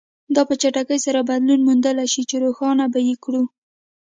دا په چټکۍ سره بدلون موندلای شي چې روښانه به یې کړو.